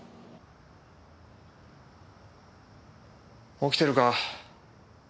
起きてるか？